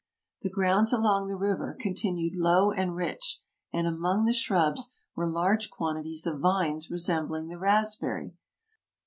The grounds along the river continued low and rich, and among the shrubs were large quantities of vines resembling the raspberry.